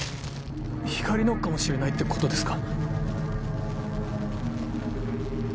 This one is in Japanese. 光莉のかもしれないってことですか？